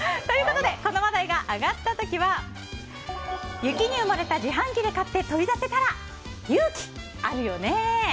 ということでこの話題が上がった時は雪にうもれた自販機で買って取り出せたら勇気あるよね！